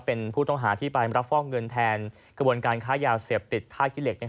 เป็นผู้ต้องหาที่ไปรับฟอกเงินแทนกระบวนการค้ายาเสพติดท่าขี้เหล็ก